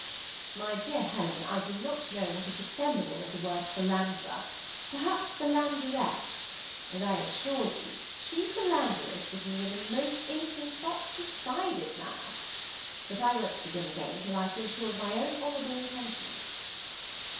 ^ My dear Helen, I do not know what is the feminine of the word philanderer, — perhaps philanderess ; and I assure you she philanderessed with me in the most innocent but decided manner. But I won't begin again till I feel sure of my own honorable intentions."